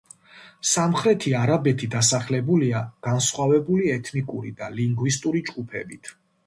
სამხრეთი არაბეთი დასახლებულია განსხვავებული ეთნიკური და ლინგვისტური ჯგუფებით.